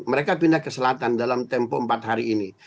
mereka pindah ke selatan dalam tempo empat hari ini